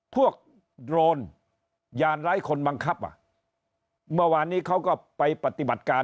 โดรนยานไร้คนบังคับอ่ะเมื่อวานนี้เขาก็ไปปฏิบัติการ